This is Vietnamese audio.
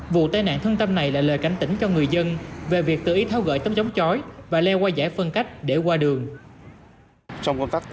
vụ tai nạn thương tâm này là lời cảnh tỉnh cho người dân về việc tự ý tháo gỡ tấm chống chói và leo qua giải phân cách để qua đường